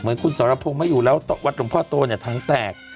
เหมือนคุณสรพงศ์ไม่อยู่แล้ววัดหลวงพ่อโตเนี่ยถังแตก